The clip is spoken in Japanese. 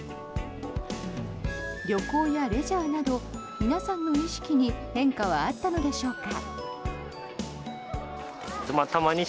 旅行やレジャーなど皆さんの意識に変化はあったのでしょうか。